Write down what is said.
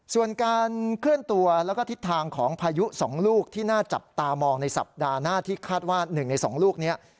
ส่วนการเคลื่อนตัวแล้วก็ทิศทางของพายุ๒ลูกที่น่าจับตามองในสัปดาห์หน้าที่คาดว่า๑ใน๒ลูกนี้